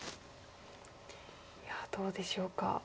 いやどうでしょうか。